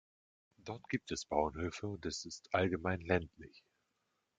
Dort gibt es Bauernhöfe und es ist allgemein ländlich.